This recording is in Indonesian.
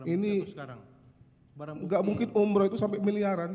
ini gak mungkin umroh itu sampai miliaran